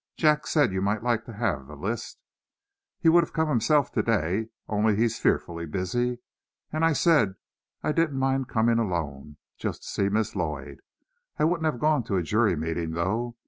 Jack said you might like to have the list. He would have come himself to day, only he's fearfully busy. And I said I didn't mind coming alone, just to see Miss Lloyd. I wouldn't have gone to a jury meeting, though.